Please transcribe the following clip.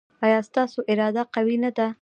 ایا ستاسو اراده قوي نه ده؟